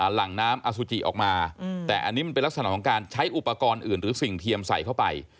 หลังน้ำอสุจิออกมาแต่อันนี้มันเป็นลักษณะของการใช้อุปกรณ์อื่นหรือสิ่งเทียมใส่เข้าไป